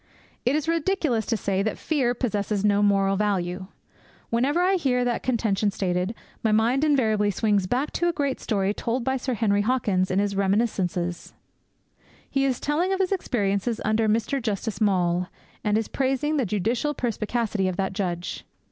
It is ridiculous to say that fear possesses no moral value. Whenever I hear that contention stated, my mind invariably swings back to a great story told by Sir Henry Hawkins in his Reminiscences. He is telling of his experiences under Mr. Justice Maule, and is praising the judicial perspicacity of that judge.